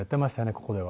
ここでは。